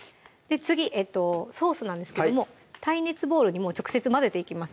次ソースなんですけども耐熱ボウルに直接混ぜていきます